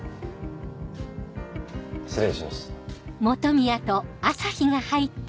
失礼します。